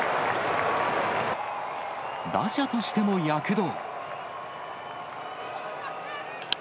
打者としても躍動。